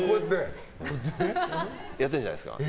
やってるんじゃないですか。